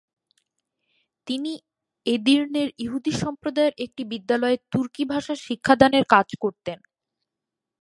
তিনি এদির্নের ইহুদি সম্প্রদায়ের একটি বিদ্যালয়ে তুর্কি ভাষা শিক্ষাদানের কাজ করতেন।